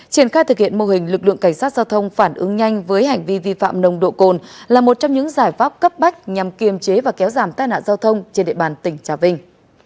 triển khai thực hiện mô hình lực lượng cảnh sát giao thông phản ứng nhanh với hành vi vi phạm nồng độ cồn là một trong những giải pháp cấp bách nhằm kiềm chế và kéo giảm tai nạn giao thông trên địa bàn tỉnh trà vinh